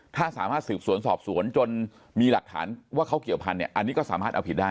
ถ้าสามารถสืบสวนสอบสวนจนมีหลักฐานว่าเขาเกี่ยวพันธุ์เนี่ยอันนี้ก็สามารถเอาผิดได้